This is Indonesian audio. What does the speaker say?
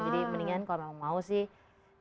jadi mendingan kalau mau sih kita bisa